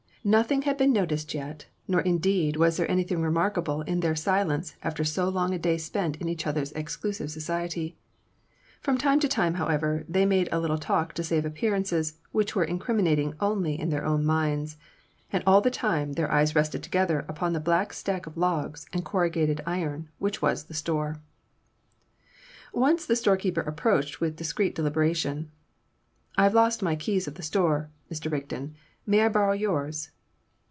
Nothing had been noticed yet; nor indeed was there anything remarkable in their silence after so long a day spent in each other's exclusive society. From time to time, however, they made a little talk to save appearances which were incriminating only in their own minds; and all the time their eyes rested together upon the black stack of logs and corrugated iron which was the store. Once the storekeeper approached with discreet deliberation. "I've lost my key of the store, Mr. Rigden; may I borrow yours?"